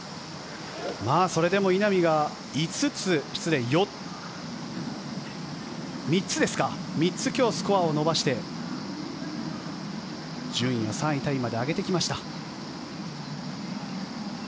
それでも稲見が３つ今日、スコアを伸ばして順位を３位タイまで上げてきました。